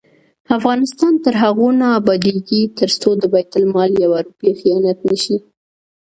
افغانستان تر هغو نه ابادیږي، ترڅو د بیت المال یوه روپۍ خیانت نشي.